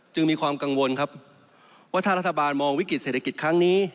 มีความกังวลครับว่าถ้ารัฐบาลมองวิกฤตเศรษฐกิจครั้งนี้